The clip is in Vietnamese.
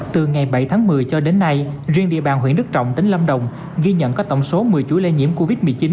từ ngày bảy tháng một mươi cho đến nay riêng địa bàn huyện đức trọng tỉnh lâm đồng ghi nhận có tổng số một mươi chuỗi lây nhiễm covid một mươi chín